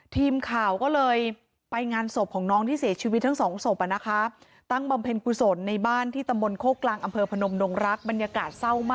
ทีมข่าวก็เลยไปงานศพของน้องที่เสียชีวิตทั้งสองศพนะคะ